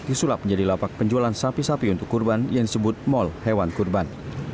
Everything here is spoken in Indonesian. disulap menjadi lapak penjualan sapi sapi untuk kurban yang disebut mall hewan kurban